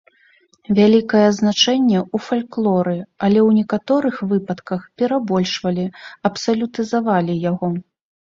Вялікае значэнне ў фальклоры, але ў некаторых выпадках перабольшвалі, абсалютызавалі яго.